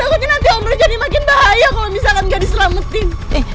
takutnya nanti om roy jadi makin bahaya kalau misalkan gak diselametin